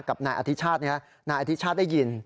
กับนายอธิชาตินี้นายอธิชาติได้ยิน